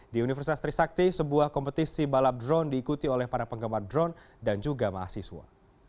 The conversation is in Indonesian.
di universitas trisakti sebuah kompetisi balap drone diikuti oleh para penggemar drone dan juga mahasiswa